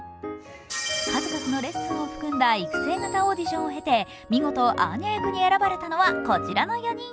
数々のレッスンを含んだ育成がたオーディションを経て見事アーニャ役に選ばれたのはこちらの４人。